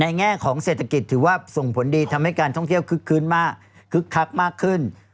แง่ของเศรษฐกิจถือว่าส่งผลดีทำให้การท่องเที่ยวคึกคื้นมากคึกคักมากขึ้น